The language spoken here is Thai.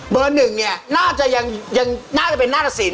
เบอร์๑เนี่ยน่าจะยังยังน่าจะเป็นน่าจะสิน